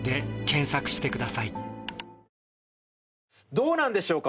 どうなんでしょうか？